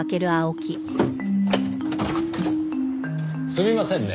すみませんね。